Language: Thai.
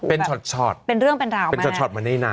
เป็นชอดเป็นชอดมาในหนัง